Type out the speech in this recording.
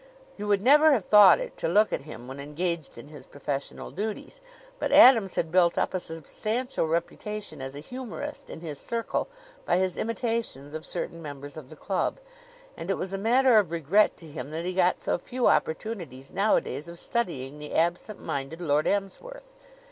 You would never have thought it, to look at him when engaged in his professional duties, but Adams had built up a substantial reputation as a humorist in his circle by his imitations of certain members of the club; and it was a matter of regret to him that he got so few opportunities nowadays of studying the absent minded Lord Emsworth.